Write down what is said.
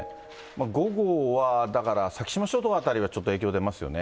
５号は、だから、先島諸島辺りは、ちょっと影響出ますよね。